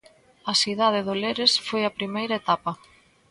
A cidade do Lérez foi a primeira etapa.